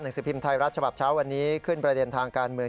สือพิมพ์ไทยรัฐฉบับเช้าวันนี้ขึ้นประเด็นทางการเมือง